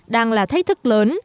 đang là thách thức lớn